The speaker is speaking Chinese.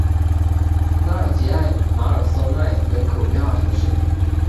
拉尔吉艾马尔松奈人口变化图示